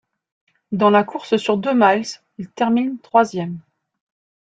Dans la course sur deux miles, il termine troisième.